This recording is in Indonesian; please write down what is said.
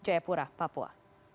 di jayapura papua